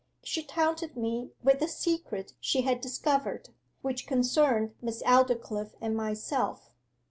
She taunted me with a secret she had discovered, which concerned Miss Aldclyffe and myself.